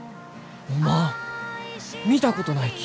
おまん見たことないき。